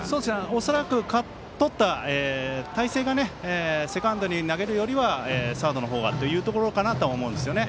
おそらく、とった体勢がセカンドに投げるよりはサードの方がというところだとは思うんですよね。